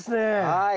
はい！